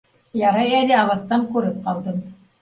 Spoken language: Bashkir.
Ярай әле алыҫтан күреп ҡалдым.